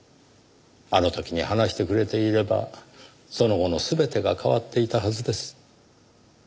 あの時に話してくれていればその後の全てが変わっていたはずです。